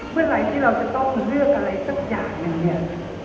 เมื่อไหร่ที่เราจะต้องเลือกอะไรสักอย่างหนึ่งเนี่ย